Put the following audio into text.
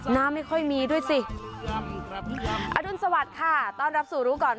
ไม่ค่อยมีด้วยสิอรุณสวัสดิ์ค่ะต้อนรับสู่รู้ก่อน